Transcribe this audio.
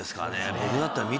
僕だったら。